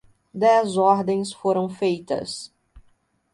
Dez ordens foram feitas.